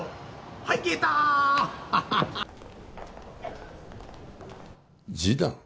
はい消えた示談？